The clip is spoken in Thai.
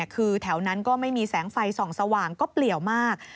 คือแถวนั้นก็ไม่มีแสงไฟส่องสว่างก็เปลี่ยวมาก